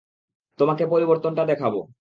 তোমাকে পরিবর্তনটা দেখাব।